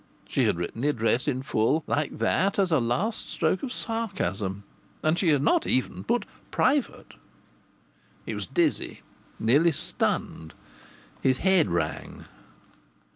She had written the address in full like that as a last stroke of sarcasm. And she had not even put "Private." He was dizzy, nearly stunned; his head rang.